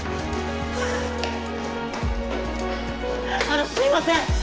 あのすいません！